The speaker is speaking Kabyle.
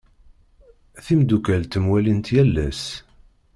Timdukal ttemwallint yal ass.